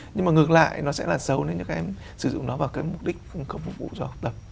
nhưng mà ngược lại nó sẽ là xấu nếu như các em sử dụng nó vào cái mục đích không phục vụ cho học tập